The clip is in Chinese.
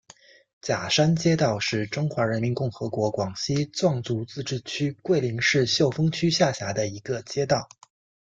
甲山街道是中华人民共和国广西壮族自治区桂林市秀峰区下辖的一个街道。